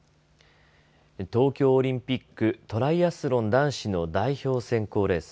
東京オリンピック、トライアスロン男子の代表選考レース。